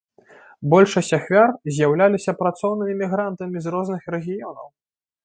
Большасць ахвяр з'яўляліся працоўнымі мігрантамі з розных рэгіёнаў.